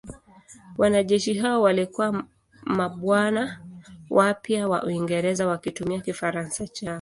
Wanajeshi hao walikuwa mabwana wapya wa Uingereza wakitumia Kifaransa chao.